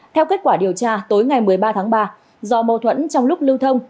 theo kết quả điều tra tối ngày một mươi ba tháng ba do mâu thuẫn trong lúc lưu thông